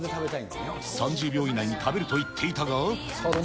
３０秒以内に食べると言っていたが。